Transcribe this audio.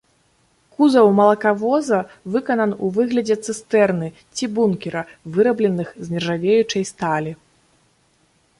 Кузаў малакавоза выканан у выглядзе цыстэрны ці бункера, вырабленых з нержавеючай сталі.